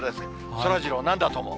そらジロー、なんだと思う？